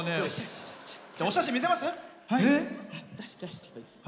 お写真、見せます？